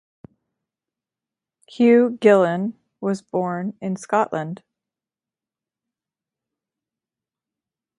Hugh Gillan was born in Scotland.